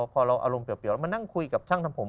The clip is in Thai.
พอเราอารมณ์เปรียวมานั่งคุยกับช่างทำผม